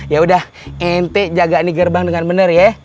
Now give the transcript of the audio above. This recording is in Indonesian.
yaudah ente jaga nih gerbang dengan bener ya